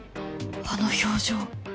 あの表情